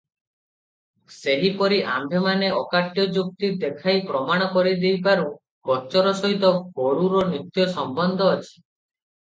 ସେହିପରି ଆମ୍ଭେମାନେ ଅକାଟ୍ୟ ଯୁକ୍ତି ଦେଖାଇ ପ୍ରମାଣ କରିଦେଇପାରୁ ଗୋଚର ସହିତ ଗୋରୁର ନିତ୍ୟ ସମ୍ବନ୍ଧ ଅଛି ।